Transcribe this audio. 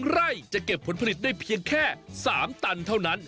ไร่จะเก็บผลผลิตได้เพียงแค่๓ตันเท่านั้น